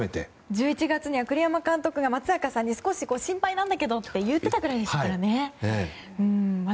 １１月には栗山監督が松坂さんに少し心配なんだけどって言っていたくらいですからね。